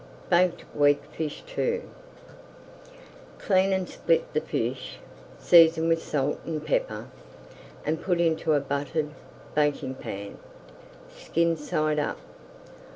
BAKED WEAKFISH II Clean and split the fish, season with salt and pepper, and put into a buttered baking pan, skin side up.